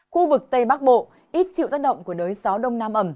khu vực tây bắc bộ ít chịu tác động của đới gió đông nam ẩm